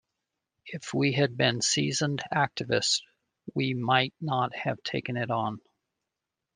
If we had been seasoned activists, we might not have taken it on.